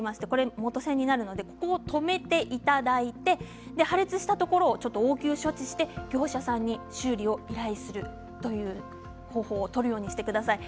元栓になるのでここをとめていただいて破裂したところを応急処置して業者さんに修理を依頼するという方法を取るようにしてください。